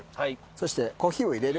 そして「コーヒーをいれる」。